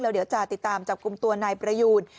เดี๋ยวจะติดตามจับกลุ่มตัวนายประยูน